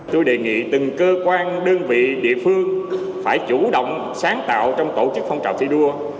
tôi đề nghị từng cơ quan đơn vị địa phương phải chủ động sáng tạo trong tổ chức phong trào thi đua